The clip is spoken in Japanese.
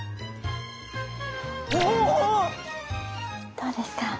どうですか？